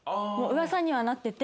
噂にはなってて。